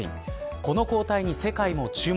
この交代に世界も注目。